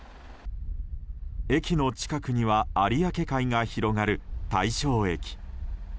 駅の近くには有明海が広がる大正駅。